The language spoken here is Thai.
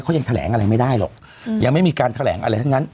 เขายังแถลงอะไรไม่ได้หรอกยังไม่มีการแถลงอะไรทั้งนั้น